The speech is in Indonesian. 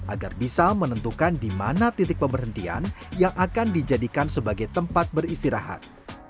agar bisa menentukan di mana titik pemberhentian yang akan dijadikan sebagai tempat beristirahat